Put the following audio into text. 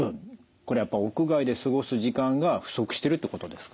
これやっぱ屋外で過ごす時間が不足してるってことですか？